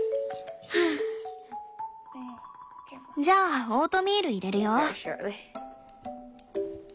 じゃあオートミール入れるよ。